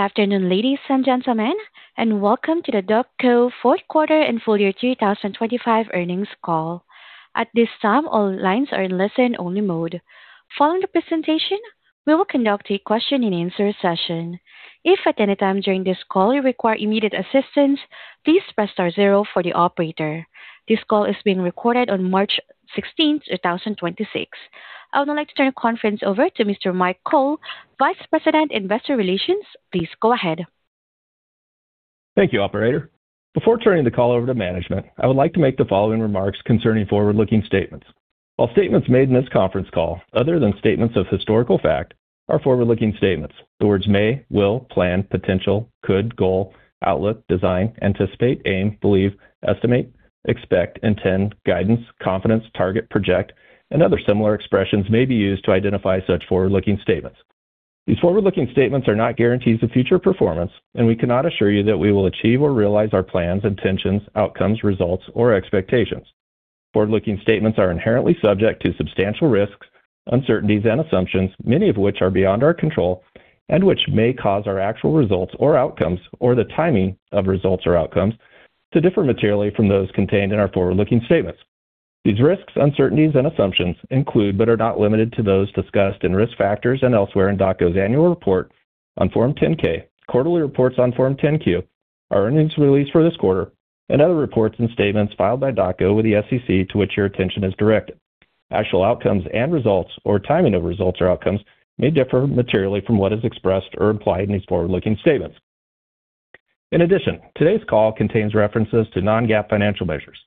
Good afternoon, ladies and gentlemen, and welcome to the DocGo fourth quarter and full year 2025 earnings call. At this time, all lines are in listen-only mode. Following the presentation, we will conduct a question-and-answer session. If at any time during this call you require immediate assistance, please press star zero for the operator. This call is being recorded on March 16th, 2026. I would now like to turn the conference over to Mr. Mike Cole, Vice President, Investor Relations. Please go ahead. Thank you, operator. Before turning the call over to management, I would like to make the following remarks concerning forward-looking statements. All statements made in this conference call other than statements of historical fact are forward-looking statements. The words may, will, plan, potential, could, goal, outlook, design, anticipate, aim, believe, estimate, expect, intend, guidance, confidence, target, project, and other similar expressions may be used to identify such forward-looking statements. These forward-looking statements are not guarantees of future performance, and we cannot assure you that we will achieve or realize our plans, intentions, outcomes, results, or expectations. Forward-looking statements are inherently subject to substantial risks, uncertainties, and assumptions, many of which are beyond our control and which may cause our actual results or outcomes or the timing of results or outcomes to differ materially from those contained in our forward-looking statements. These risks, uncertainties, and assumptions include, but are not limited to, those discussed in risk factors and elsewhere in DocGo's annual report on Form 10-K, quarterly reports on Form 10-Q, our earnings release for this quarter, and other reports and statements filed by DocGo with the SEC to which your attention is directed. Actual outcomes and results or timing of results or outcomes may differ materially from what is expressed or implied in these forward-looking statements. In addition, today's call contains references to non-GAAP financial measures.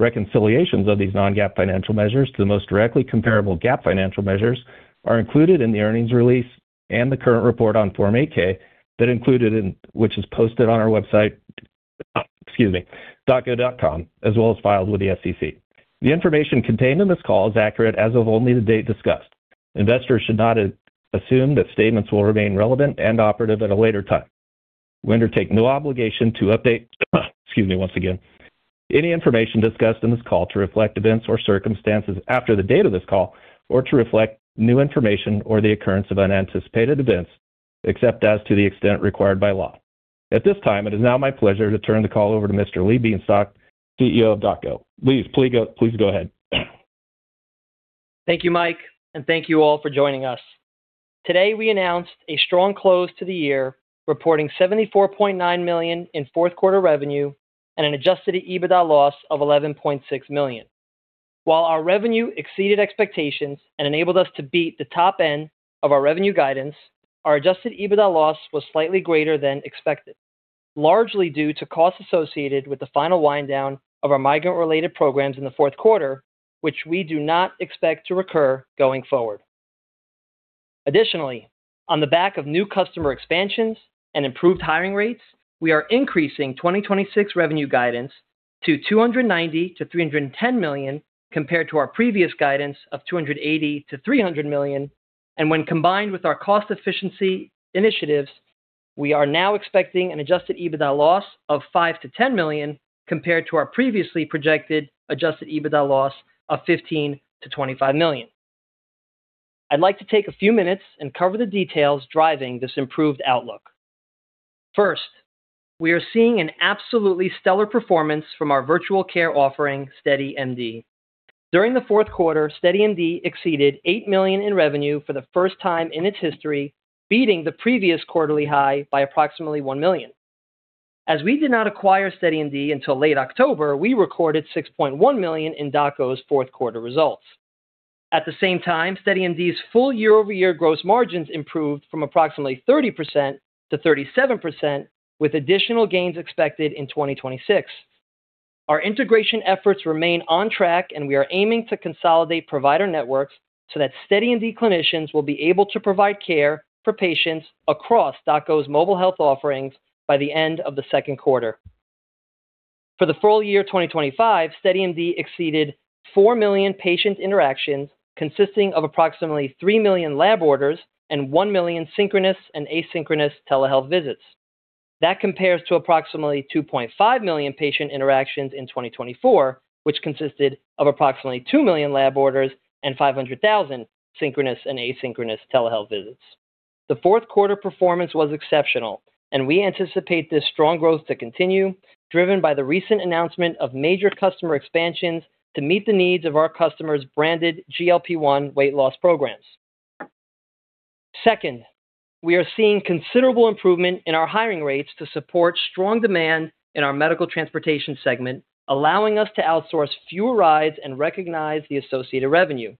Reconciliations of these non-GAAP financial measures to the most directly comparable GAAP financial measures are included in the earnings release and the current report on Form 8-K which is posted on our website, docgo.com, as well as filed with the SEC. The information contained in this call is accurate as of only the date discussed. Investors should not assume that statements will remain relevant and operative at a later time. We undertake no obligation to update any information discussed in this call to reflect events or circumstances after the date of this call or to reflect new information or the occurrence of unanticipated events, except as to the extent required by law. At this time, it is now my pleasure to turn the call over to Mr. Lee Bienstock, CEO of DocGo. Lee, please go ahead. Thank you, Mike, and thank you all for joining us. Today, we announced a strong close to the year, reporting $74.9 million in fourth quarter revenue and an adjusted EBITDA loss of $11.6 million. While our revenue exceeded expectations and enabled us to beat the top end of our revenue guidance, our adjusted EBITDA loss was slightly greater than expected, largely due to costs associated with the final wind down of our migrant-related programs in the fourth quarter, which we do not expect to recur going forward. Additionally, on the back of new customer expansions and improved hiring rates, we are increasing 2026 revenue guidance to $290 million-$310 million compared to our previous guidance of $280 million-$300 million. When combined with our cost efficiency initiatives, we are now expecting an adjusted EBITDA loss of $5 million-$10 million compared to our previously projected adjusted EBITDA loss of $15 million-$25 million. I'd like to take a few minutes and cover the details driving this improved outlook. First, we are seeing an absolutely stellar performance from our virtual care offering, SteadyMD. During the fourth quarter, SteadyMD exceeded $8 million in revenue for the first time in its history, beating the previous quarterly high by approximately $1 million. As we did not acquire SteadyMD until late October, we recorded $6.1 million in DocGo's fourth quarter results. At the same time, SteadyMD's full year-over-year gross margins improved from approximately 30% to 37%, with additional gains expected in 2026. Our integration efforts remain on track, and we are aiming to consolidate provider networks so that SteadyMD clinicians will be able to provide care for patients across DocGo's mobile health offerings by the end of the second quarter. For the full year 2025, SteadyMD exceeded 4 million patient interactions, consisting of approximately 3 million lab orders and 1 million synchronous and asynchronous telehealth visits. That compares to approximately 2.5 million patient interactions in 2024, which consisted of approximately 2 million lab orders and 500,000 synchronous and asynchronous telehealth visits. The fourth quarter performance was exceptional, and we anticipate this strong growth to continue, driven by the recent announcement of major customer expansions to meet the needs of our customers' branded GLP-1 weight loss programs. Second, we are seeing considerable improvement in our hiring rates to support strong demand in our medical transportation segment, allowing us to outsource fewer rides and recognize the associated revenue.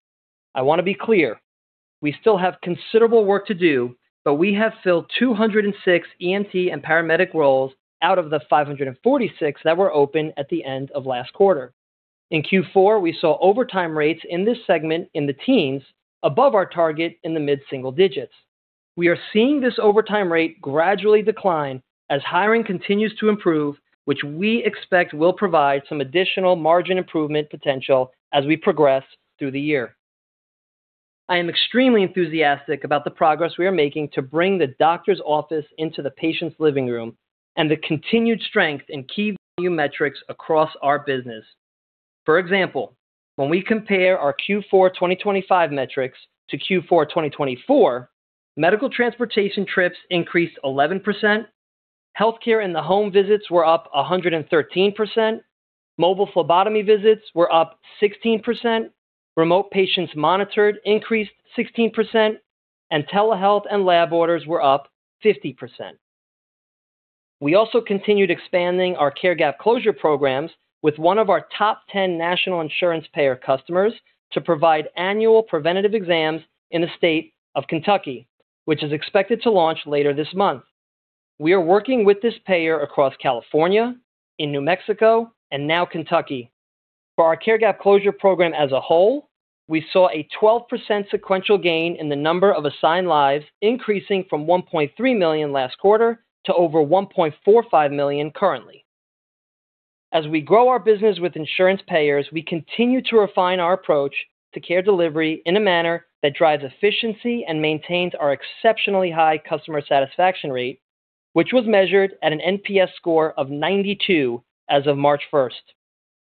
I want to be clear: We still have considerable work to do, but we have filled 206 EMT and paramedic roles out of the 546 that were open at the end of last quarter. In Q4, we saw overtime rates in this segment in the teens above our target in the mid-single digits. We are seeing this overtime rate gradually decline as hiring continues to improve, which we expect will provide some additional margin improvement potential as we progress through the year. I am extremely enthusiastic about the progress we are making to bring the doctor's office into the patient's living room and the continued strength in key value metrics across our business. For example, when we compare our Q4 2025 metrics to Q4 2024, medical transportation trips increased 11%, healthcare in the home visits were up 113%, mobile phlebotomy visits were up 16%, remote patients monitored increased 16%, and telehealth and lab orders were up 50%. We also continued expanding our care gap closure programs with one of our top ten national insurance payer customers to provide annual preventative exams in the state of Kentucky, which is expected to launch later this month. We are working with this payer across California, in New Mexico, and now Kentucky. For our care gap closure program as a whole, we saw a 12% sequential gain in the number of assigned lives, increasing from 1.3 million last quarter to over 1.45 million currently. As we grow our business with insurance payers, we continue to refine our approach to care delivery in a manner that drives efficiency and maintains our exceptionally high customer satisfaction rate, which was measured at an NPS score of 92 as of March 1.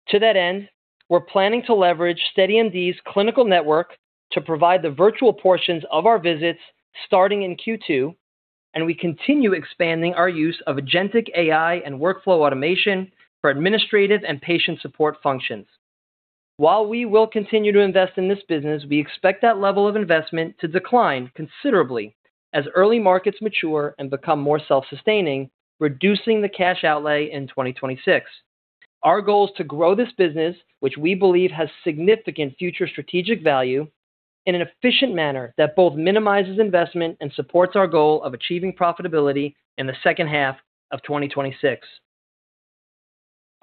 To that end, we're planning to leverage SteadyMD's clinical network to provide the virtual portions of our visits starting in Q2, and we continue expanding our use of agentic AI and workflow automation for administrative and patient support functions. While we will continue to invest in this business, we expect that level of investment to decline considerably as early markets mature and become more self-sustaining, reducing the cash outlay in 2026. Our goal is to grow this business, which we believe has significant future strategic value, in an efficient manner that both minimizes investment and supports our goal of achieving profitability in the second half of 2026.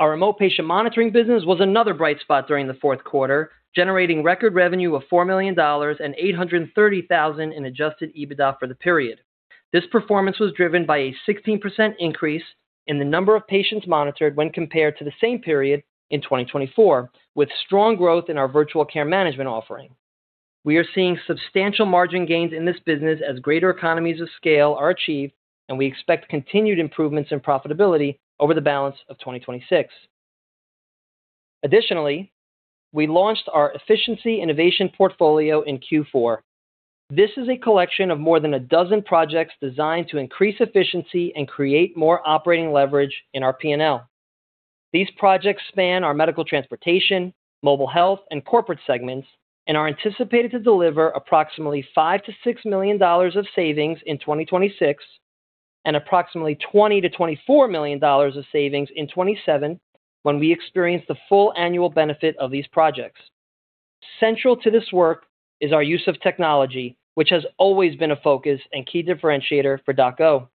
Our Remote Patient Monitoring business was another bright spot during the fourth quarter, generating record revenue of $4 million and $830,000 in adjusted EBITDA for the period. This performance was driven by a 16% increase in the number of patients monitored when compared to the same period in 2024, with strong growth in our virtual care management offering. We are seeing substantial margin gains in this business as greater economies of scale are achieved, and we expect continued improvements in profitability over the balance of 2026. Additionally, we launched our efficiency innovation portfolio in Q4. This is a collection of more than a dozen projects designed to increase efficiency and create more operating leverage in our P&L. These projects span our medical transportation, mobile health, and corporate segments and are anticipated to deliver approximately $5 million-$6 million of savings in 2026 and approximately $20 million-$24 million of savings in 2027 when we experience the full annual benefit of these projects. Central to this work is our use of technology, which has always been a focus and key differentiator for DocGo.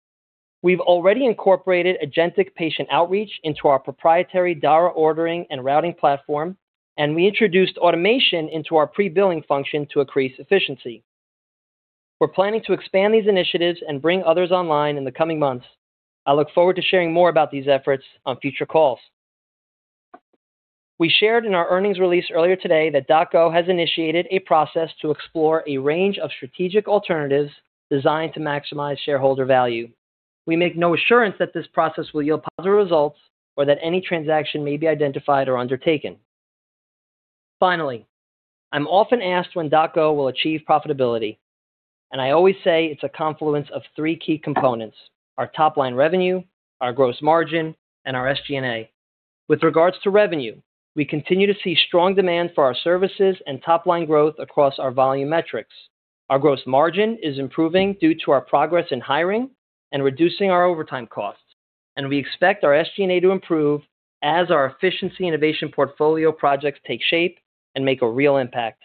We've already incorporated agentic patient outreach into our proprietary Dara ordering and routing platform, and we introduced automation into our pre-billing function to increase efficiency. We're planning to expand these initiatives and bring others online in the coming months. I look forward to sharing more about these efforts on future calls. We shared in our earnings release earlier today that DocGo has initiated a process to explore a range of strategic alternatives designed to maximize shareholder value. We make no assurance that this process will yield positive results or that any transaction may be identified or undertaken. Finally, I'm often asked when DocGo will achieve profitability, and I always say it's a confluence of three key components: our top-line revenue, our gross margin, and our SG&A. With regards to revenue, we continue to see strong demand for our services and top-line growth across our volume metrics. Our gross margin is improving due to our progress in hiring and reducing our overtime costs. We expect our SG&A to improve as our efficiency innovation portfolio projects take shape and make a real impact.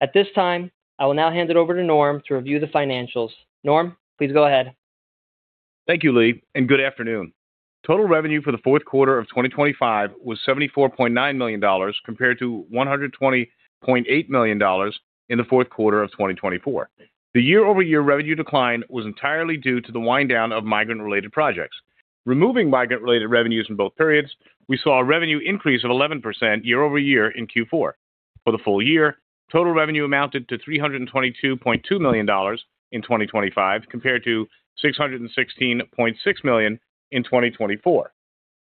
At this time, I will now hand it over to Norm to review the financials. Norm, please go ahead. Thank you, Lee, and good afternoon. Total revenue for the fourth quarter of 2025 was $74.9 million compared to $120.8 million in the fourth quarter of 2024. The year-over-year revenue decline was entirely due to the wind-down of migrant-related projects. Removing migrant-related revenues in both periods, we saw a revenue increase of 11% year-over-year in Q4. For the full year, total revenue amounted to $322.2 million in 2025 compared to $616.6 million in 2024.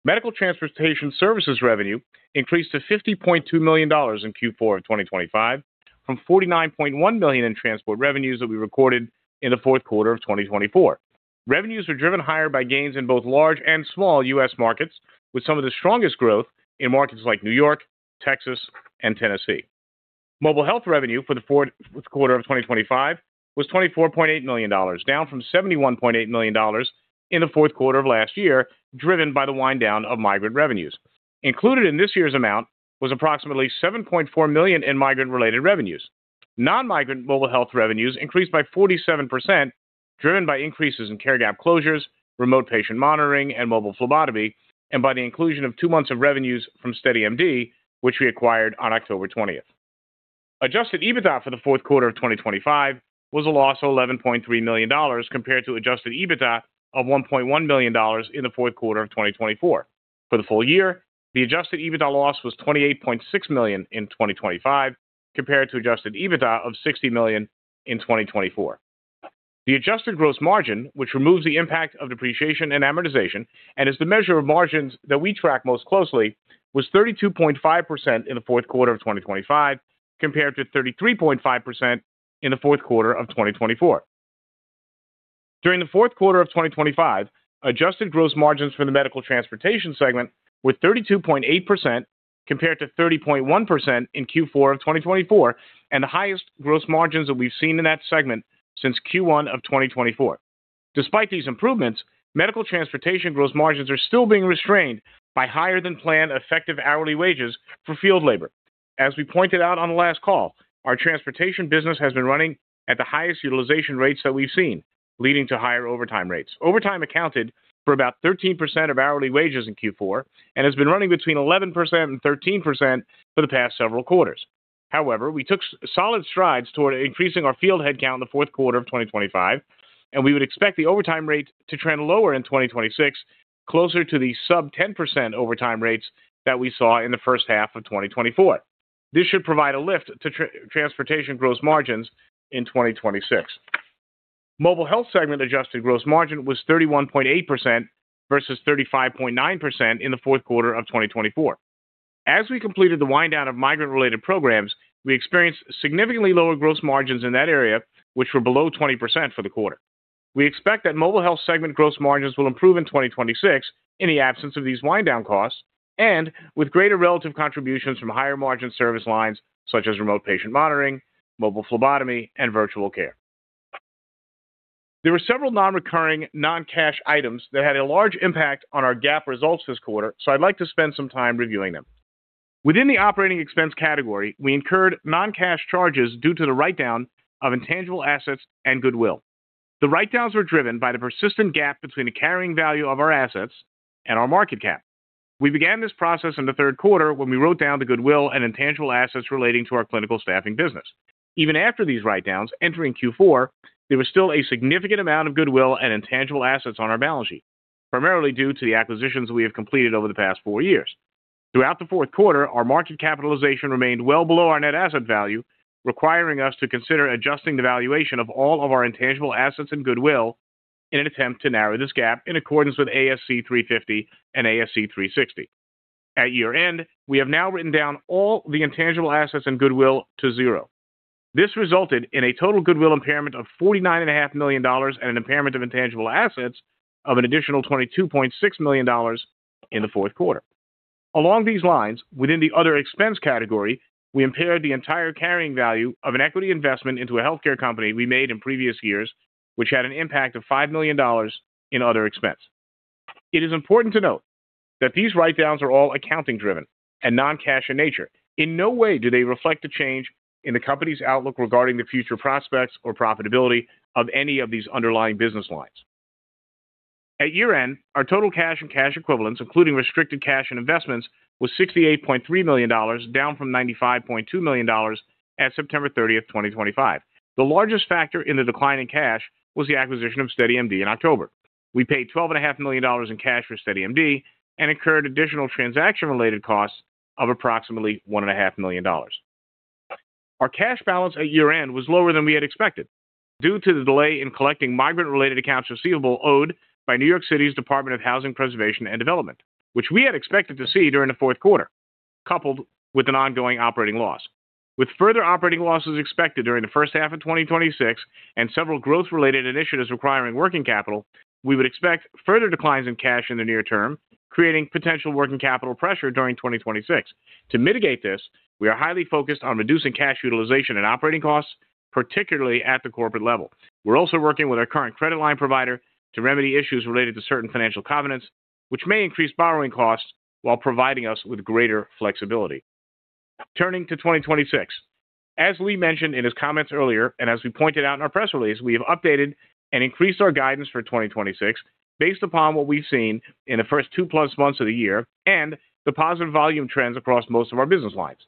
Medical transportation services revenue increased to $50.2 million in Q4 of 2025 from $49.1 million in transport revenues that we recorded in the fourth quarter of 2024. Revenues were driven higher by gains in both large and small U.S. markets, with some of the strongest growth in markets like New York, Texas, and Tennessee. Mobile Health revenue for the fourth quarter of 2025 was $24.8 million, down from $71.8 million in the fourth quarter of last year, driven by the wind-down of migrant revenues. Included in this year's amount was approximately $7.4 million in migrant-related revenues. Non-migrant Mobile Health revenues increased by 47%, driven by increases in care gap closures, Remote Patient Monitoring, and Mobile Phlebotomy, and by the inclusion of two months of revenues from SteadyMD, which we acquired on October 20. Adjusted EBITDA for the fourth quarter of 2025 was a loss of $11.3 million compared to adjusted EBITDA of $1.1 million in the fourth quarter of 2024. For the full year, the adjusted EBITDA loss was $28.6 million in 2025 compared to adjusted EBITDA of $60 million in 2024. The adjusted gross margin, which removes the impact of depreciation and amortization and is the measure of margins that we track most closely, was 32.5% in the fourth quarter of 2025 compared to 33.5% in the fourth quarter of 2024. During the fourth quarter of 2025, adjusted gross margins for the Medical Transportation segment were 32.8% compared to 30.1% in Q4 of 2024, and the highest gross margins that we've seen in that segment since Q1 of 2024. Despite these improvements, Medical Transportation gross margins are still being restrained by higher than planned effective hourly wages for field labor. As we pointed out on the last call, our transportation business has been running at the highest utilization rates that we've seen, leading to higher overtime rates. Overtime accounted for about 13% of hourly wages in Q4 and has been running between 11% and 13% for the past several quarters. However, we took solid strides toward increasing our field headcount in the fourth quarter of 2025, and we would expect the overtime rate to trend lower in 2026, closer to the sub-10% overtime rates that we saw in the first half of 2024. This should provide a lift to transportation gross margins in 2026. Mobile Health segment adjusted gross margin was 31.8% versus 35.9% in the fourth quarter of 2024. As we completed the wind down of migrant related programs, we experienced significantly lower gross margins in that area, which were below 20% for the quarter. We expect that Mobile Health segment gross margins will improve in 2026 in the absence of these wind down costs and with greater relative contributions from higher margin service lines such as Remote Patient Monitoring, Mobile Phlebotomy, and virtual care. There were several non-recurring non-cash items that had a large impact on our GAAP results this quarter. I'd like to spend some time reviewing them. Within the operating expense category, we incurred non-cash charges due to the write-down of intangible assets and goodwill. The write-downs were driven by the persistent gap between the carrying value of our assets and our market cap. We began this process in the third quarter when we wrote down the goodwill and intangible assets relating to our clinical staffing business. Even after these write-downs, entering Q4, there was still a significant amount of goodwill and intangible assets on our balance sheet, primarily due to the acquisitions we have completed over the past four years. Throughout the fourth quarter, our market capitalization remained well below our net asset value, requiring us to consider adjusting the valuation of all of our intangible assets and goodwill in an attempt to narrow this gap in accordance with ASC 350 and ASC 360. At year-end, we have now written down all the intangible assets and goodwill to zero. This resulted in a total goodwill impairment of $49.5 million and an impairment of intangible assets of an additional $22.6 million in the fourth quarter. Along these lines, within the other expense category, we impaired the entire carrying value of an equity investment into a healthcare company we made in previous years, which had an impact of $5 million in other expense. It is important to note that these write-downs are all accounting driven and non-cash in nature. In no way do they reflect a change in the company's outlook regarding the future prospects or profitability of any of these underlying business lines. At year-end, our total cash and cash equivalents, including restricted cash and investments, was $68.3 million, down from $95.2 million at September 30, 2025. The largest factor in the decline in cash was the acquisition of SteadyMD in October. We paid $12.5 million in cash for SteadyMD and incurred additional transaction-related costs of approximately $1.5 million. Our cash balance at year-end was lower than we had expected due to the delay in collecting migrant-related accounts receivable owed by New York City Department of Housing Preservation and Development, which we had expected to see during the fourth quarter, coupled with an ongoing operating loss. With further operating losses expected during the first half of 2026 and several growth-related initiatives requiring working capital, we would expect further declines in cash in the near term, creating potential working capital pressure during 2026. To mitigate this, we are highly focused on reducing cash utilization and operating costs, particularly at the corporate level. We're also working with our current credit line provider to remedy issues related to certain financial covenants, which may increase borrowing costs while providing us with greater flexibility. Turning to 2026. As Lee mentioned in his comments earlier, and as we pointed out in our press release, we have updated and increased our guidance for 2026 based upon what we've seen in the first two-plus months of the year and the positive volume trends across most of our business lines.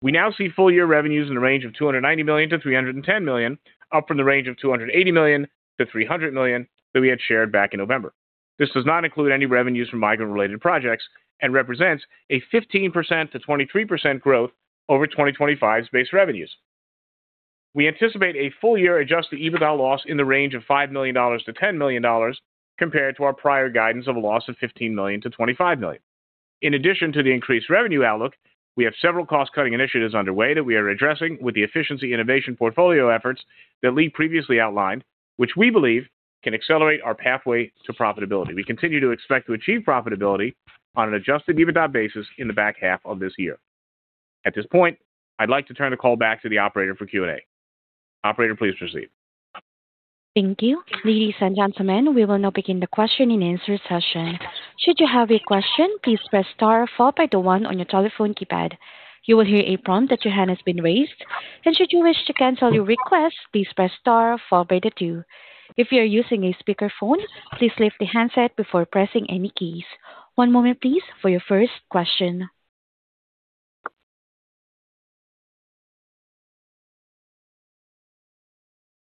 We now see full-year revenues in the range of $290 million-$310 million, up from the range of $280 million-$300 million that we had shared back in November. This does not include any revenues from migrant-related projects and represents a 15%-23% growth over 2025's base revenues. We anticipate a full-year adjusted EBITDA loss in the range of $5 million-$10 million compared to our prior guidance of a loss of $15 million-$25 million. In addition to the increased revenue outlook, we have several cost-cutting initiatives underway that we are addressing with the efficiency innovation portfolio efforts that Lee previously outlined, which we believe can accelerate our pathway to profitability. We continue to expect to achieve profitability on an adjusted EBITDA basis in the back half of this year. At this point, I'd like to turn the call back to the operator for Q&A. Operator, please proceed. Thank you. Ladies and gentlemen, we will now begin the question-and-answer session. Should you have a question, please press star followed by the one on your telephone keypad. You will hear a prompt that your hand has been raised. Should you wish to cancel your request, please press star followed by the two. If you're using a speakerphone, please lift the handset before pressing any keys. One moment please for your first question.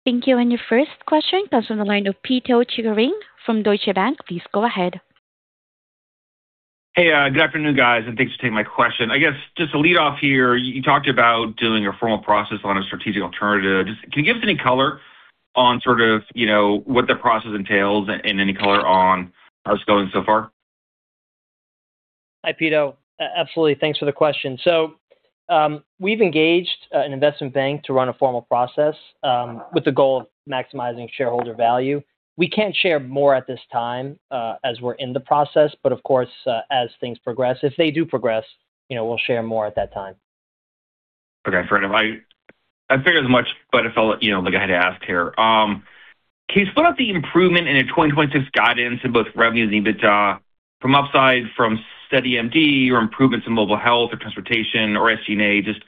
Thank you. Your first question comes from the line of Pito Chickering from Deutsche Bank. Please go ahead. Hey, good afternoon, guys, and thanks for taking my question. I guess just to lead off here, you talked about doing a formal process on a strategic alternative. Just, can you give us any color on sort of, you know, what the process entails and any color on how it's going so far? Hi, Pito. Absolutely. Thanks for the question. We've engaged an investment bank to run a formal process, with the goal of maximizing shareholder value. We can't share more at this time as we're in the process, but of course, as things progress, if they do progress, you know, we'll share more at that time. Okay. Fair enough. I figured as much, but I felt, you know, like I had to ask here. Can you split out the improvement in the 2026 guidance in both revenues and EBITDA from upside from SteadyMD or improvements in mobile health or transportation or SG&A? Just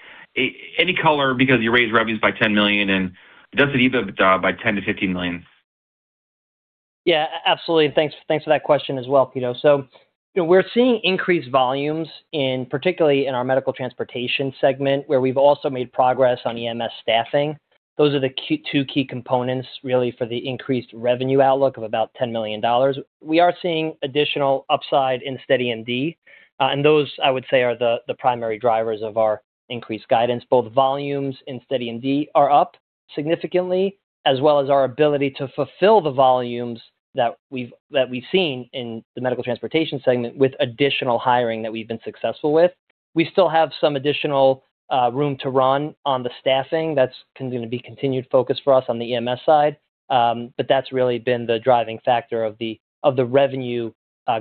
any color because you raised revenues by $10 million and adjusted EBITDA by $10 million-$15 million. Yeah, absolutely. Thanks for that question as well, Pito. You know, we're seeing increased volumes particularly in our Medical Transportation segment, where we've also made progress on EMS staffing. Those are the two key components really for the increased revenue outlook of about $10 million. We are seeing additional upside in SteadyMD. Those, I would say, are the primary drivers of our increased guidance. Both volumes in SteadyMD are up significantly, as well as our ability to fulfill the volumes that we've seen in the Medical Transportation segment with additional hiring that we've been successful with. We still have some additional room to run on the staffing. That's going to be a continued focus for us on the EMS side. That's really been the driving factor of the revenue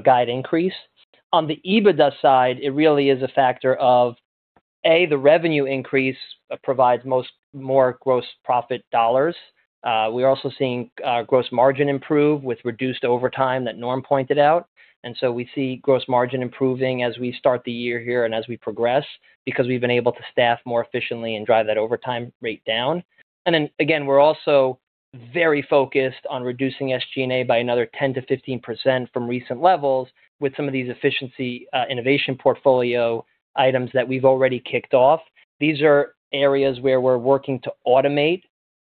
guidance increase. On the EBITDA side, it really is a factor of, A, the revenue increase provides more gross profit dollars. We're also seeing gross margin improve with reduced overtime that Norm pointed out. We see gross margin improving as we start the year here and as we progress because we've been able to staff more efficiently and drive that overtime rate down. We're also very focused again on reducing SG&A by another 10%-15% from recent levels with some of these efficiency innovation portfolio items that we've already kicked off. These are areas where we're working to automate,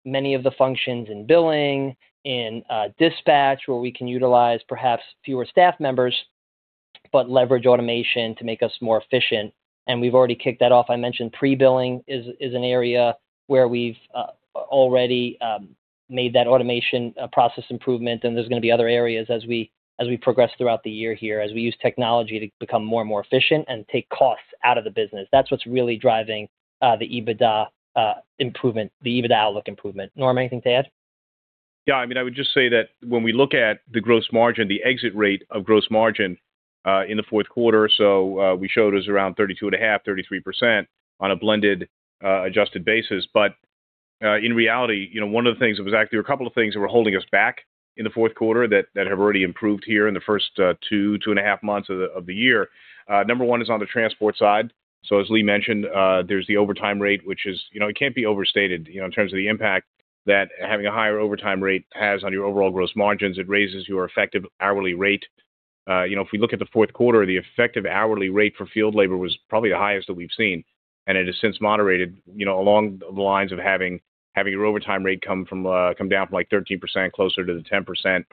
many of the functions in billing, in dispatch, where we can utilize perhaps fewer staff members but leverage automation to make us more efficient. We've already kicked that off. I mentioned pre-billing is an area where we've already made that automation process improvement, and there's going to be other areas as we progress throughout the year here, as we use technology to become more and more efficient and take costs out of the business. That's what's really driving the EBITDA improvement, the EBITDA outlook improvement. Norm, anything to add? Yeah. I mean, I would just say that when we look at the gross margin, the exit rate of gross margin, in the fourth quarter, so, we showed it was around 32.5%-33% on a blended, adjusted basis. In reality, you know, one of the things that was actually--a couple of things that were holding us back in the fourth quarter that have already improved here in the first two, two and a half months of the year. Number one is on the transport side. So, as Lee mentioned, there's the overtime rate, which is, you know, it can't be overstated, you know, in terms of the impact that having a higher overtime rate has on your overall gross margins. It raises your effective hourly rate. You know, if we look at the fourth quarter, the effective hourly rate for field labor was probably the highest that we've seen, and it has since moderated, you know, along the lines of having your overtime rate come down from, like, 13% closer to the 10%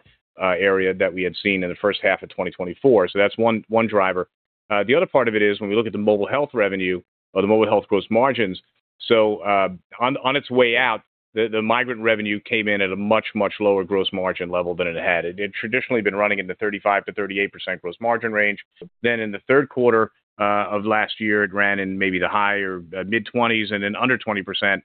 area that we had seen in the first half of 2024. That's one driver. The other part of it is when we look at the Mobile Health revenue or the Mobile Health gross margins. On its way out, the migrant revenue came in at a much, much lower gross margin level than it had traditionally been running in the 35%-38% gross margin range. In the third quarter of last year, it ran in maybe the high or mid-20s% and then under 20%.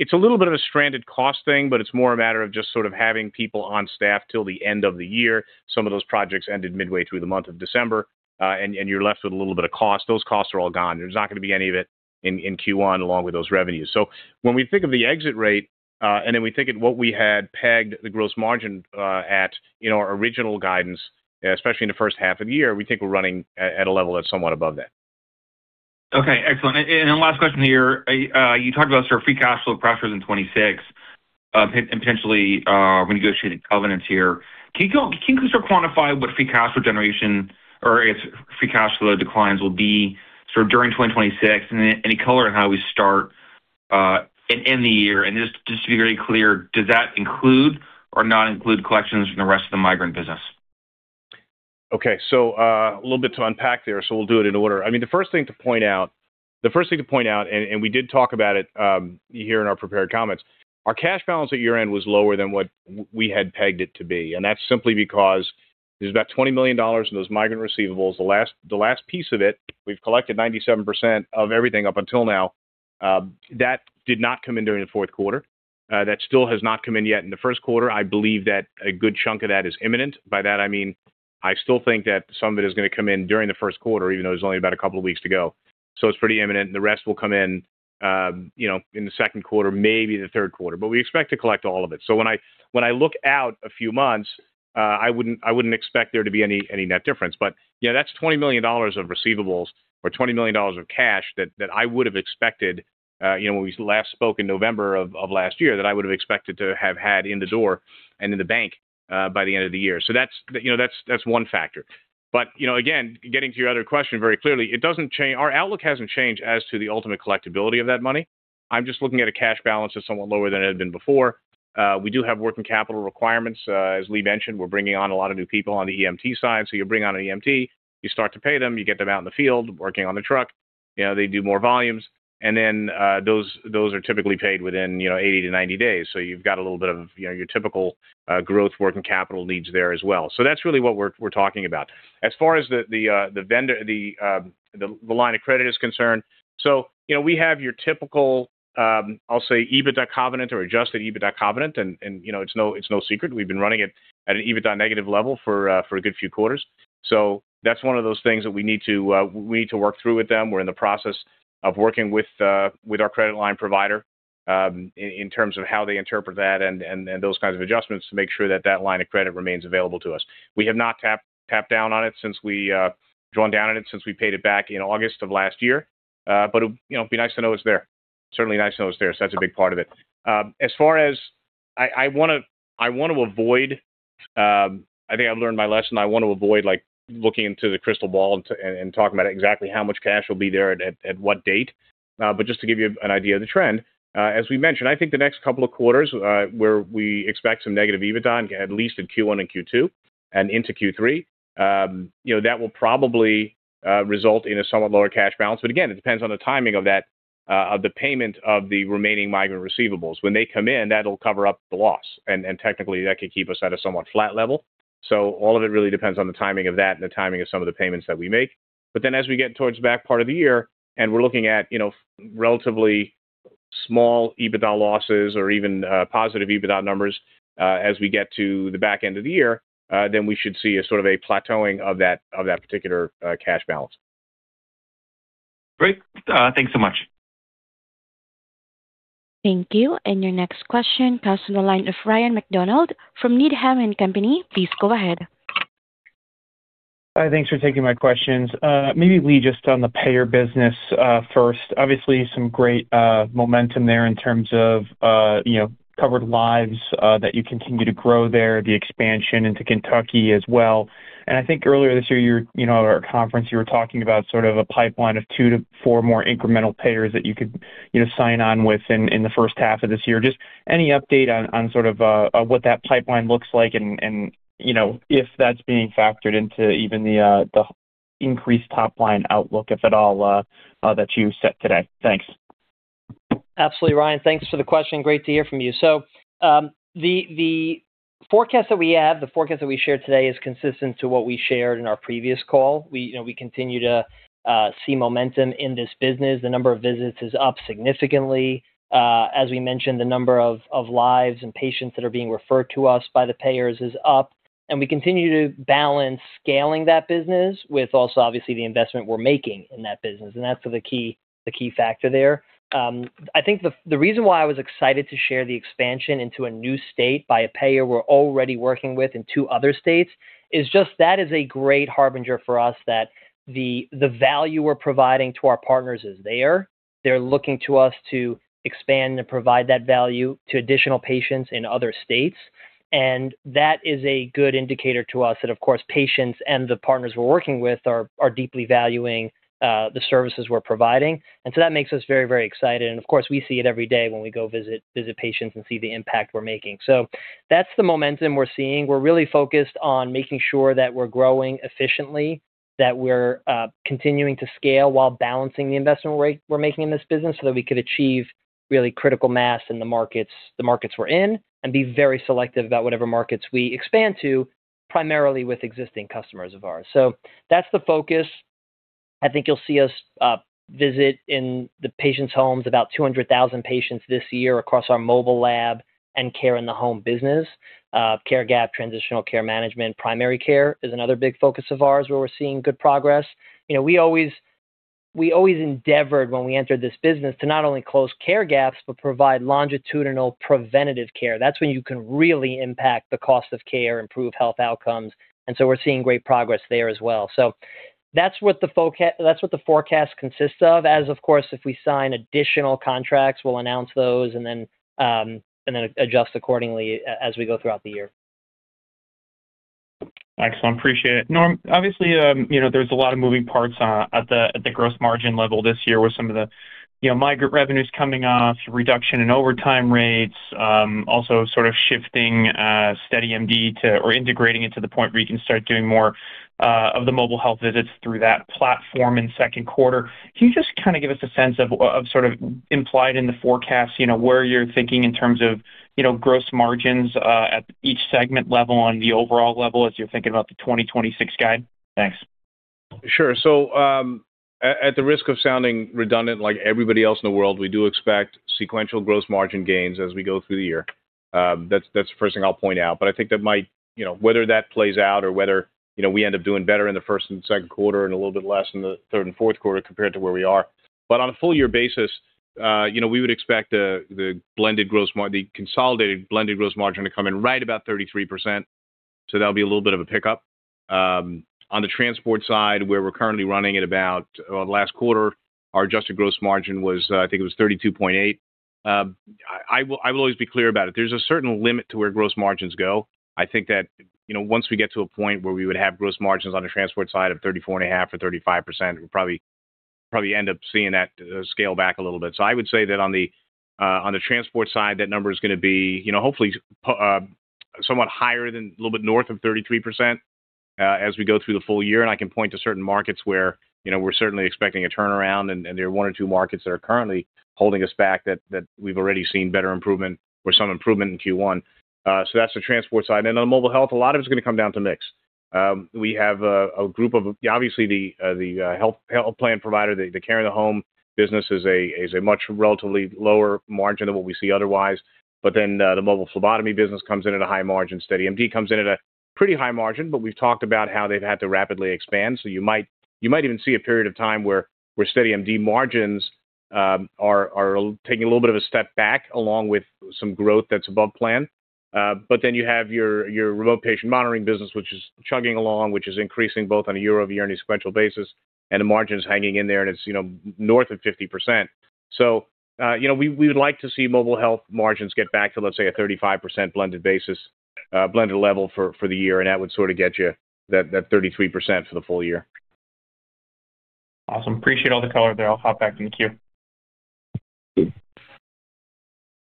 It's a little bit of a stranded cost thing, but it's more a matter of just sort of having people on staff till the end of the year. Some of those projects ended midway through the month of December, and you're left with a little bit of cost. Those costs are all gone. There's not gonna be any of it in Q1, along with those revenues. When we think of the exit rate, and then we think of what we had pegged the gross margin at in our original guidance, especially in the first half of the year, we think we're running at a level that's somewhat above that. Okay, excellent. The last question here. You talked about free cash flow pressures in 2026, potentially renegotiating covenants here. Can you sort of quantify what free cash flow generation or if free cash flow declines will be sort of during 2026 and any color on how we start in the year? Just to be very clear, does that include or not include collections from the rest of the migrant business? Okay. A little bit to unpack there, so we'll do it in order. I mean, the first thing to point out, and we did talk about it here in our prepared comments. Our cash balance at year-end was lower than what we had pegged it to be, and that's simply because there's about $20 million in those migrant receivables. The last piece of it, we've collected 97% of everything up until now that did not come in during the fourth quarter. That still has not come in yet in the first quarter. I believe that a good chunk of that is imminent. By that, I mean, I still think that some of it is gonna come in during the first quarter, even though there's only about a couple of weeks to go. It's pretty imminent. The rest will come in, you know, in the second quarter, maybe the third quarter. We expect to collect all of it. When I look out a few months, I wouldn't expect there to be any net difference. Yeah, that's $20 million of receivables or $20 million of cash that I would have expected, you know, when we last spoke in November of last year, that I would have expected to have had in the door and in the bank by the end of the year. That's, you know, that's one factor. You know, again, getting to your other question, very clearly, it doesn't change. Our outlook hasn't changed as to the ultimate collectibility of that money. I'm just looking at a cash balance that's somewhat lower than it had been before. We do have working capital requirements. As Lee mentioned, we're bringing on a lot of new people on the EMT side. You bring on an EMT, you start to pay them, you get them out in the field working on the truck, you know, they do more volumes. And then, those are typically paid within, you know, 80-90 days. You've got a little bit of, you know, your typical growth working capital needs there as well. That's really what we're talking about. As far as the line of credit is concerned, you know, we have your typical, I'll say, EBITDA covenant or adjusted EBITDA covenant, and you know, it's no secret we've been running it at an EBITDA-negative level for a good few quarters. That's one of those things that we need to work through with them. We're in the process of working with our credit line provider in terms of how they interpret that and those kinds of adjustments to make sure that line of credit remains available to us. We have not drawn down on it since we paid it back in August of last year. You know, it'd be nice to know it's there. Certainly nice to know it's there. That's a big part of it. As far as, I wanna avoid--I think I've learned my lesson--I wanna avoid, like, looking into the crystal ball and talking about exactly how much cash will be there at what date. Just to give you an idea of the trend, as we mentioned, I think the next couple of quarters, where we expect some negative EBITDA, at least in Q1 and Q2 and into Q3, you know, that will probably result in a somewhat lower cash balance. Again, it depends on the timing of that, of the payment of the remaining migrant receivables. When they come in, that'll cover up the loss. Technically, that could keep us at a somewhat flat level. All of it really depends on the timing of that and the timing of some of the payments that we make. As we get towards the back part of the year, and we're looking at, you know, relatively small EBITDA losses or even positive EBITDA numbers, as we get to the back end of the year, then we should see a sort of a plateauing of that particular cash balance. Great. Thanks so much. Thank you. Your next question comes from the line of Ryan MacDonald from Needham & Company. Please go ahead. Hi, thanks for taking my questions. Maybe Lee, just on the payer business. First, obviously some great momentum there in terms of, you know, covered lives, that you continue to grow there, the expansion into Kentucky as well. I think earlier this year, you know, at our conference, you were talking about sort of a pipeline of two to four more incremental payers that you could, you know, sign on with in the first half of this year. Just, any update on sort of what that pipeline looks like and, you know, if that's being factored into even the increased top-line outlook, if at all, that you set today. Thanks. Absolutely, Ryan. Thanks for the question. Great to hear from you. The forecast that we have, the forecast that we shared today, is consistent to what we shared in our previous call. We, you know, we continue to see momentum in this business. The number of visits is up significantly. As we mentioned, the number of lives and patients that are being referred to us by the payers is up. We continue to balance scaling that business with also, obviously, the investment we're making in that business. That's the key factor there. I think the reason why I was excited to share the expansion into a new state by a payer we're already working with in two other states is just that is a great harbinger for us that the value we're providing to our partners is there. They're looking to us to expand and provide that value to additional patients in other states. And that is a good indicator to us that, of course, patients and the partners we're working with are deeply valuing the services we're providing. And so that makes us very, very excited. And, of course, we see it every day when we go visit patients and see the impact we're making. That's the momentum we're seeing. We're really focused on making sure that we're growing efficiently, that we're continuing to scale while balancing the investment rate we're making in this business so that we could achieve really critical mass in the markets, the markets we're in, and be very selective about whatever markets we expand to, primarily with existing customers of ours. That's the focus. I think you'll see us visit in the patients' homes, about 200,000 patients this year, across our mobile lab and care in the home business. Care gap, transitional care management, primary care is another big focus of ours where we're seeing good progress. You know, we always endeavored when we entered this business to not only close care gaps, but provide longitudinal preventative care. That's when you can really impact the cost of care, improve health outcomes. We're seeing great progress there as well. That's what the forecast consists of. Of course, if we sign additional contracts, we'll announce those and then adjust accordingly as we go throughout the year. Excellent. Appreciate it. Norm, obviously, you know, there's a lot of moving parts at the gross margin level this year with some of the, you know, migrant revenues coming off, reduction in overtime rates, also sort of shifting SteadyMD to or integrating it to the point where you can start doing more of the mobile health visits through that platform in second quarter. Can you just kind of give us a sense of sort of implied in the forecast, you know, where you're thinking in terms of, you know, gross margins at each segment level on the overall level as you're thinking about the 2026 guide? Thanks. Sure. At the risk of sounding redundant like everybody else in the world, we do expect sequential gross margin gains as we go through the year. That's the first thing I'll point out. I think that might, you know, whether that plays out or whether, you know, we end up doing better in the first and second quarter and a little bit less in the third and fourth quarter compared to where we are. On a full year basis, you know, we would expect the consolidated blended gross margin to come in right about 33%. That'll be a little bit of a pickup. On the transport side, where we're currently running at about, last quarter, our adjusted gross margin was, I think it was 32.8%. I will always be clear about it. There's a certain limit to where gross margins go. I think that, you know, once we get to a point where we would have gross margins on the transport side of 34.5% or 35%, we'll probably end up seeing that scale back a little bit. I would say that on the transport side, that number is gonna be, you know, hopefully somewhat higher than a little bit north of 33%, as we go through the full year. I can point to certain markets where, you know, we're certainly expecting a turnaround, and there are one or two markets that are currently holding us back that we've already seen better improvement or some improvement in Q1. So that's the transport side. On Mobile Health, a lot of it's gonna come down to mix. We have a group of obviously the health plan provider. The Care in the Home business is a much relatively lower margin than what we see otherwise. The Mobile Phlebotomy business comes in at a high margin. SteadyMD comes in at a pretty high margin, but we've talked about how they've had to rapidly expand. You might even see a period of time where SteadyMD margins are taking a little bit of a step back along with some growth that's above plan. You have your remote patient monitoring business, which is chugging along, which is increasing both on a year-over-year and sequential basis, and the margin's hanging in there, and it's, you know, north of 50%. You know, we would like to see mobile health margins get back to, let's say, a 35% blended basis, blended level for the year, and that would sort of get you that 33% for the full year. Awesome. Appreciate all the color there. I'll hop back in the queue.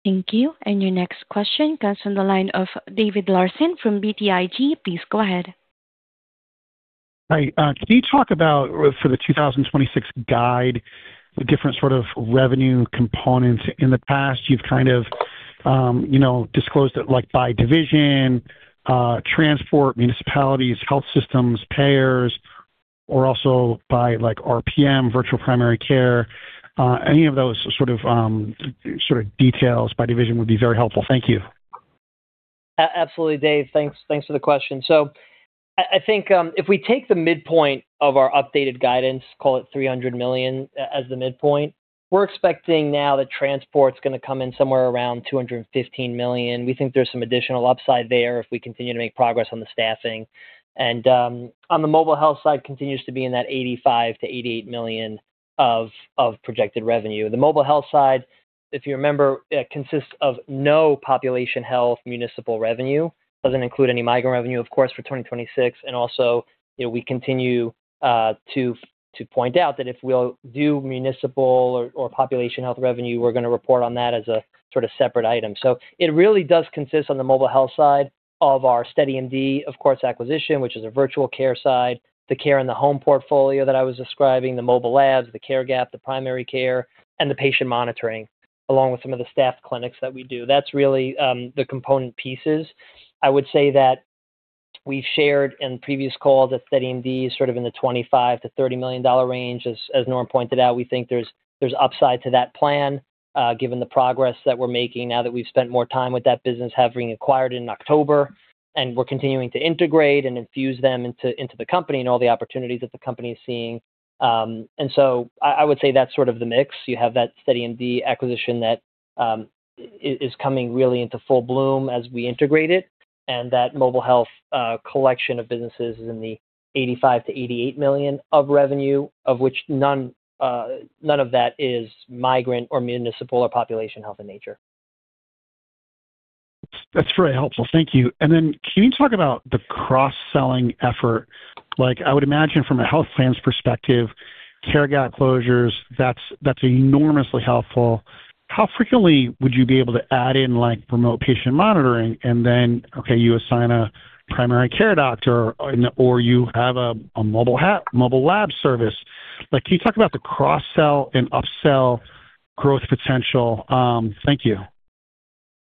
Thank you. Your next question comes from the line of David Larsen from BTIG. Please go ahead. Hi. Can you talk about for the 2026 guide, the different sort of revenue components? In the past, you've kind of, you know, disclosed it like by division, transport, municipalities, health systems, payers, or also by like RPM, virtual primary care. Any of those sort of details by division would be very helpful. Thank you. Absolutely, Dave. Thanks. Thanks for the question. I think if we take the midpoint of our updated guidance, call it $300 million as the midpoint, we're expecting now that transport's gonna come in somewhere around $215 million. We think there's some additional upside there if we continue to make progress on the staffing. On the mobile health side continues to be in that $85 million-$88 million of projected revenue. The mobile health side, if you remember, consists of no population health municipal revenue. Doesn't include any migrant revenue, of course, for 2026. You know, we continue to point out that if we'll do municipal or population health revenue, we're gonna report on that as a sort of separate item. It really does consist on the mobile health side of our SteadyMD, of course, acquisition, which is a virtual care side, the care in the home portfolio that I was describing, the mobile labs, the care gap, the primary care, and the patient monitoring, along with some of the staff clinics that we do. That's really the component pieces. I would say that we shared in previous calls that SteadyMD is sort of in the $25 million-$30 million range. As Norm pointed out, we think there's upside to that plan given the progress that we're making now that we've spent more time with that business, having acquired in October, and we're continuing to integrate and infuse them into the company and all the opportunities that the company is seeing. I would say that's sort of the mix. You have that SteadyMD acquisition that is coming really into full bloom as we integrate it, and that Mobile Health collection of businesses is in the $85 million-$88 million of revenue, of which none of that is migrant or municipal or population health in nature. That's very helpful. Thank you. Can you talk about the cross-selling effort? Like I would imagine from a health plan's perspective, care gap closures, that's enormously helpful. How frequently would you be able to add in like remote patient monitoring and then, okay, you assign a primary care doctor or you have a mobile lab service. Like, can you talk about the cross-sell and upsell growth potential? Thank you.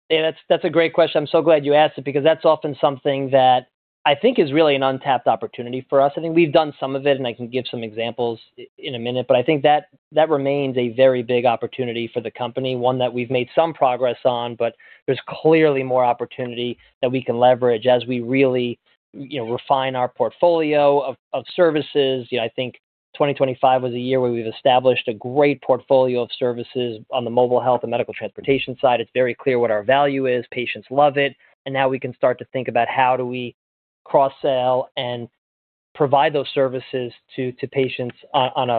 Yeah. That's a great question. I'm so glad you asked it because that's often something that I think is really an untapped opportunity for us. I think we've done some of it, and I can give some examples in a minute, but I think that remains a very big opportunity for the company, one that we've made some progress on, but there's clearly more opportunity that we can leverage as we really, you know, refine our portfolio of services. You know, I think 2025 was a year where we've established a great portfolio of services on the mobile health and medical transportation side. It's very clear what our value is. Patients love it. Now we can start to think about how do we cross-sell and provide those services to patients on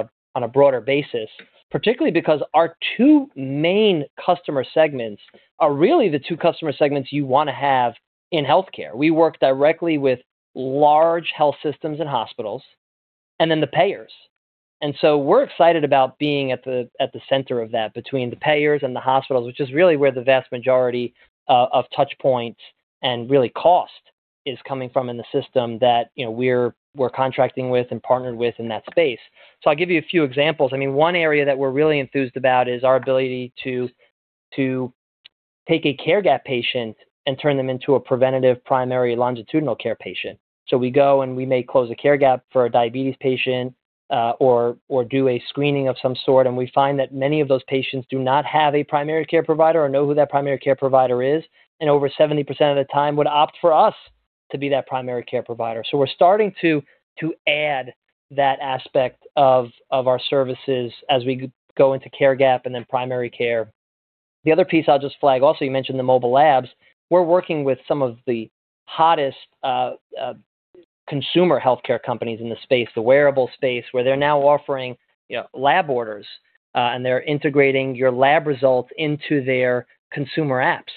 a broader basis, particularly because our two main customer segments are really the two customer segments you wanna have in healthcare. We work directly with large health systems and hospitals and then the payers. We're excited about being at the center of that between the payers and the hospitals, which is really where the vast majority of touch points and really cost is coming from in the system that you know we're contracting with and partnered with in that space. I'll give you a few examples. I mean, one area that we're really enthused about is our ability to take a care gap patient and turn them into a preventative primary longitudinal care patient. We go and we may close a care gap for a diabetes patient, or do a screening of some sort, and we find that many of those patients do not have a primary care provider or know who that primary care provider is, and over 70% of the time would opt for us to be that primary care provider. We're starting to add that aspect of our services as we go into care gap and then primary care. The other piece I'll just flag also, you mentioned the mobile labs. We're working with some of the hottest consumer healthcare companies in the space, the wearable space, where they're now offering, you know, lab orders, and they're integrating your lab results into their consumer apps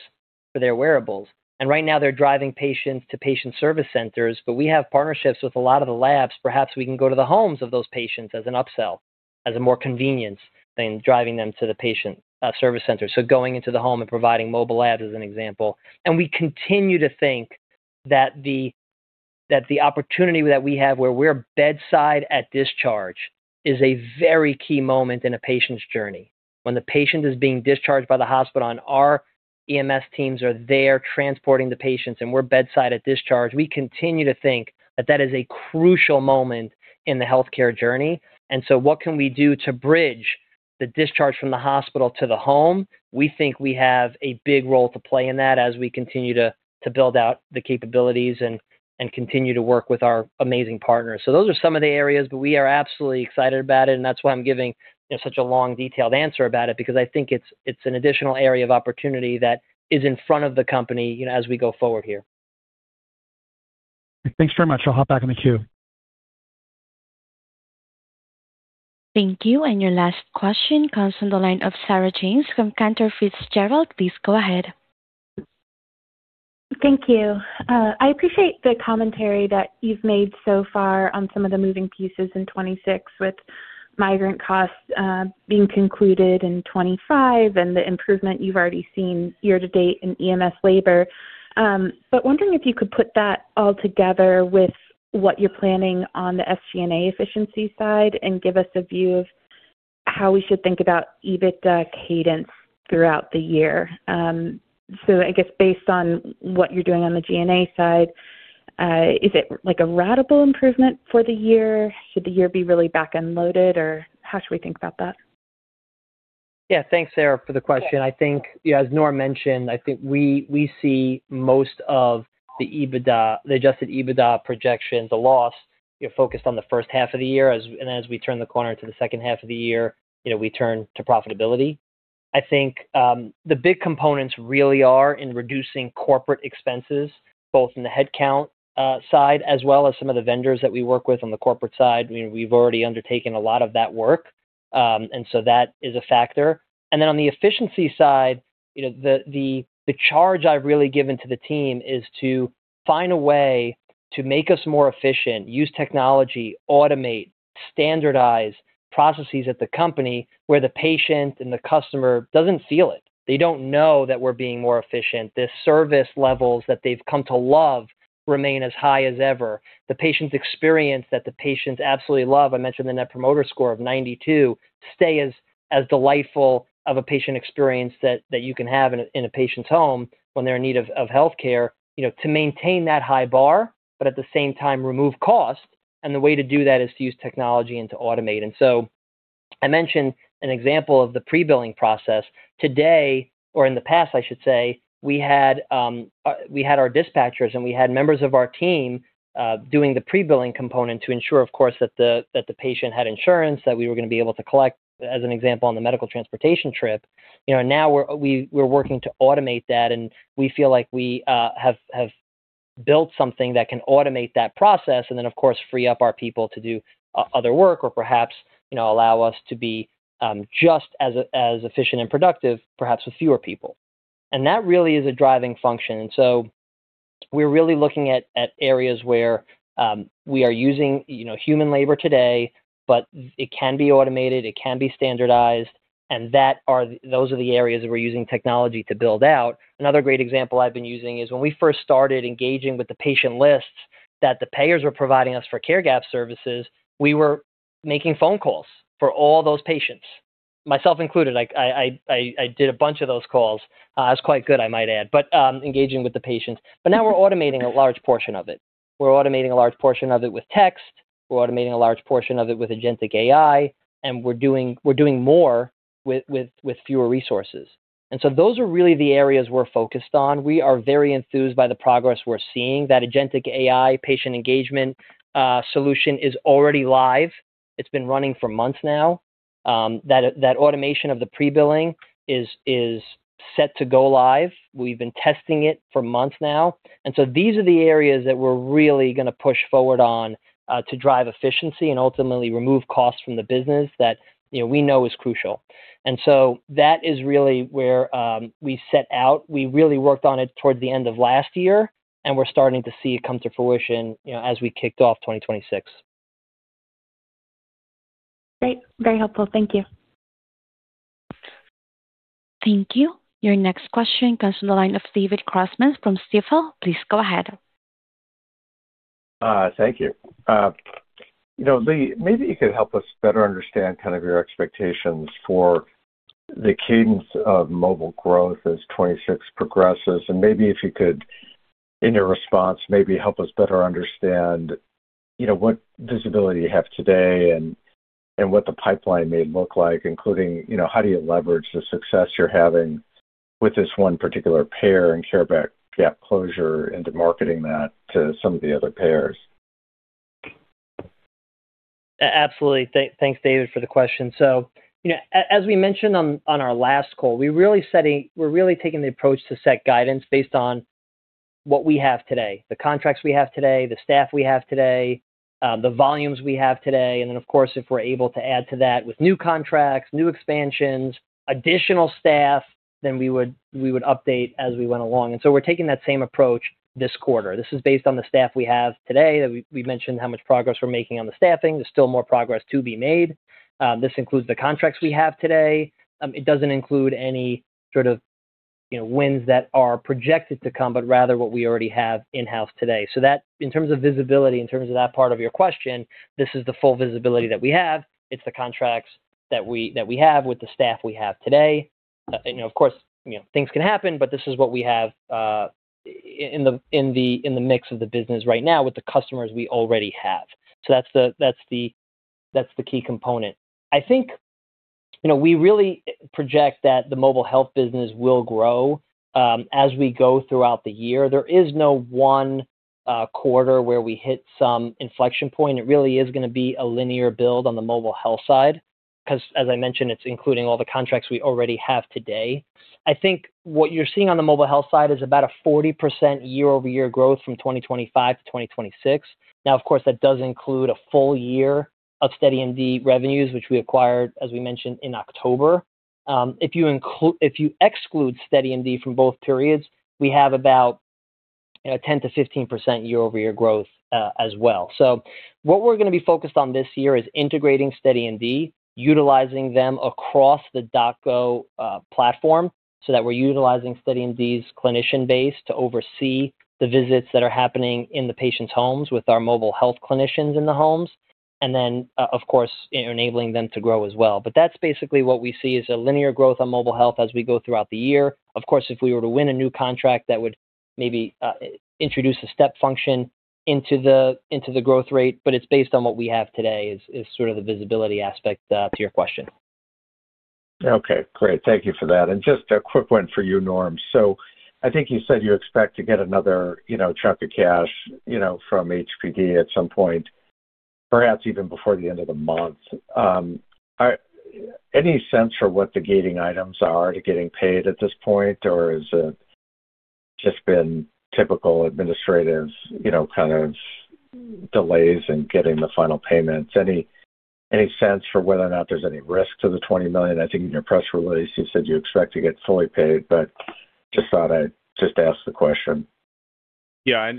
for their wearables. Right now they're driving patients to patient service centers, but we have partnerships with a lot of the labs. Perhaps we can go to the homes of those patients as an upsell, as a more convenient than driving them to the patient, service center. Going into the home and providing mobile labs as an example. We continue to think that the opportunity that we have where we're bedside at discharge is a very key moment in a patient's journey. When the patient is being discharged by the hospital and our EMS teams are there transporting the patients, and we're bedside at discharge, we continue to think that that is a crucial moment in the healthcare journey. What can we do to bridge the discharge from the hospital to the home? We think we have a big role to play in that as we continue to build out the capabilities and continue to work with our amazing partners. Those are some of the areas, but we are absolutely excited about it, and that's why I'm giving, you know, such a long detailed answer about it because I think it's an additional area of opportunity that is in front of the company, you know, as we go forward here. Thanks very much. I'll hop back in the queue. Thank you. Your last question comes from the line of Sarah James from Cantor Fitzgerald. Please go ahead. Thank you. I appreciate the commentary that you've made so far on some of the moving pieces in 2026 with migrant costs being concluded in 2025 and the improvement you've already seen year to date in EMS labor. Wondering if you could put that all together with what you're planning on the SG&A efficiency side and give us a view of how we should think about EBITDA cadence throughout the year. I guess based on what you're doing on the G&A side, is it like a ratable improvement for the year? Should the year be really back-end loaded, or how should we think about that? Yeah. Thanks, Sarah, for the question. I think, you know, as Norm mentioned, I think we see most of the EBITDA, the adjusted EBITDA projection, the loss, you know, focused on the first half of the year as we turn the corner into the second half of the year, you know, we turn to profitability. I think, the big components really are in reducing corporate expenses, both in the headcount side as well as some of the vendors that we work with on the corporate side. I mean, we've already undertaken a lot of that work. That is a factor. Then on the efficiency side, you know, the charge I've really given to the team is to find a way to make us more efficient, use technology, automate, standardize processes at the company where the patient and the customer doesn't feel it. They don't know that we're being more efficient. The service levels that they've come to love remain as high as ever. The patient experience that the patients absolutely love, I mentioned the net promoter score of 92, stay as delightful of a patient experience that you can have in a patient's home when they're in need of healthcare, you know, to maintain that high bar, but at the same time remove cost. The way to do that is to use technology and to automate. I mentioned an example of the pre-billing process. Today, or in the past, I should say, we had our dispatchers, and we had members of our team doing the pre-billing component to ensure, of course, that the patient had insurance, that we were gonna be able to collect, as an example, on the Medical Transportation trip. You know, now we're working to automate that, and we feel like we have built something that can automate that process and then of course free up our people to do other work or perhaps, you know, allow us to be just as efficient and productive perhaps with fewer people. That really is a driving function. We're really looking at areas where we are using, you know, human labor today, but it can be automated, it can be standardized, and that are the. Those are the areas that we're using technology to build out. Another great example I've been using is when we first started engaging with the patient lists that the payers were providing us for care gap services. We were making phone calls for all those patients, myself included. Like, I did a bunch of those calls. I was quite good, I might add. But engaging with the patients. But now we're automating a large portion of it. We're automating a large portion of it with text. We're automating a large portion of it with agentic AI, and we're doing more with fewer resources. Those are really the areas we're focused on. We are very enthused by the progress we're seeing. That agentic AI patient engagement solution is already live. It's been running for months now. That automation of the pre-billing is set to go live. We've been testing it for months now. These are the areas that we're really gonna push forward on to drive efficiency and ultimately remove costs from the business that, you know, we know is crucial. That is really where we set out. We really worked on it toward the end of last year, and we're starting to see it come to fruition, you know, as we kicked off 2026. Great. Very helpful. Thank you. Thank you. Your next question comes from the line of David Grossman from Stifel. Please go ahead. Thank you. You know, Lee, maybe you could help us better understand kind of your expectations for the cadence of mobile growth as 2026 progresses. Maybe if you could, in your response, maybe help us better understand, you know, what visibility you have today and what the pipeline may look like, including, you know, how do you leverage the success you're having with this one particular payer and care gap closure into marketing that to some of the other payers? Absolutely. Thanks, David, for the question. So, you know, as we mentioned on our last call, we're really taking the approach to set guidance based on what we have today, the contracts we have today, the staff we have today, the volumes we have today. Then, of course, if we're able to add to that with new contracts, new expansions, additional staff, then we would update as we went along. We're taking that same approach this quarter. This is based on the staff we have today. We mentioned how much progress we're making on the staffing. There's still more progress to be made. This includes the contracts we have today. It doesn't include any sort of, you know, wins that are projected to come, but rather what we already have in-house today. That in terms of visibility, in terms of that part of your question, this is the full visibility that we have. It's the contracts that we have with the staff we have today. You know, of course, you know, things can happen, but this is what we have in the mix of the business right now with the customers we already have. That's the key component. I think, you know, we really project that the mobile health business will grow as we go throughout the year. There is no one quarter where we hit some inflection point. It really is gonna be a linear build on the mobile health side, 'cause as I mentioned, it's including all the contracts we already have today. I think what you're seeing on the mobile health side is about a 40% year-over-year growth from 2025 to 2026. Now, of course, that does include a full year of SteadyMD revenues, which we acquired, as we mentioned, in October. If you exclude SteadyMD from both periods, we have about 10%-15% year-over-year growth, as well. What we're gonna be focused on this year is integrating SteadyMD, utilizing them across the DocGo platform, so that we're utilizing SteadyMD's clinician base to oversee the visits that are happening in the patient's homes with our mobile health clinicians in the homes, and then, of course, enabling them to grow as well. That's basically what we see is a linear growth on mobile health as we go throughout the year. Of course, if we were to win a new contract, that would maybe introduce a step function into the growth rate, but it's based on what we have today is sort of the visibility aspect to your question. Okay, great. Thank you for that. Just a quick one for you, Norm. I think you said you expect to get another, you know, chunk of cash, you know, from HPD at some point, perhaps even before the end of the month. Any sense for what the gating items are to getting paid at this point, or has it just been typical administrative, you know, kind of delays in getting the final payments? Any sense for whether or not there's any risk to the $20 million? I think in your press release you said you expect to get fully paid, but just thought I'd just ask the question. Yeah.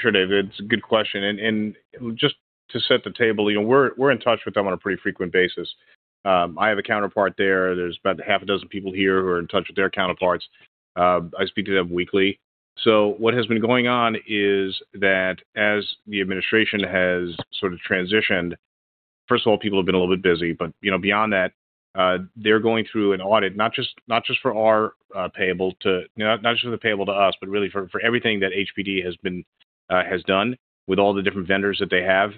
Sure, David. It's a good question. Just to set the table, you know, we're in touch with them on a pretty frequent basis. I have a counterpart there. There's about half a dozen people here who are in touch with their counterparts. I speak to them weekly. What has been going on is that as the administration has sort of transitioned, first of all, people have been a little bit busy, but you know, beyond that, they're going through an audit, not just for our payable to us, but really for everything that HPD has done with all the different vendors that they have.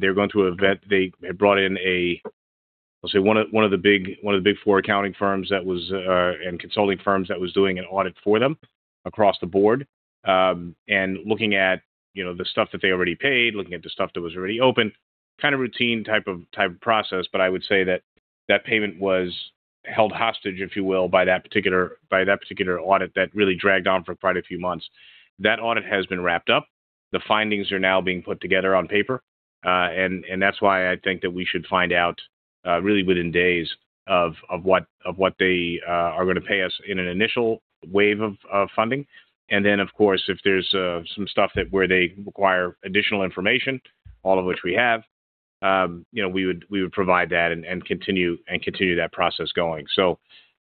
They're going through an event. They have brought in a, I'll say one of the big four accounting firms and consulting firms that was doing an audit for them across the board and looking at, you know, the stuff that they already paid, looking at the stuff that was already open. Kind of routine type of process, but I would say that payment was held hostage, if you will, by that particular audit that really dragged on for quite a few months. That audit has been wrapped up. The findings are now being put together on paper. That's why I think that we should find out really within days of what they are gonna pay us in an initial wave of funding. Of course, if there's some stuff that where they require additional information, all of which we have, you know, we would provide that and continue that process going.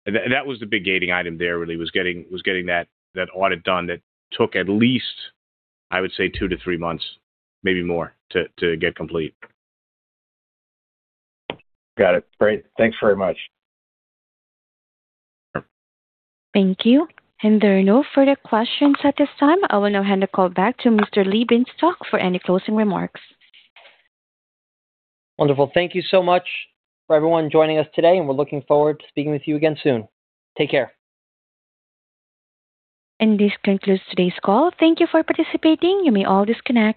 That was the big gating item there, really was getting that audit done. That took at least, I would say, 2-3 months, maybe more to get complete. Got it. Great. Thanks very much. Sure. Thank you. There are no further questions at this time. I will now hand the call back to Mr. Lee Bienstock for any closing remarks. Wonderful. Thank you so much for everyone joining us today, and we're looking forward to speaking with you again soon. Take care. This concludes today's call. Thank you for participating. You may all disconnect.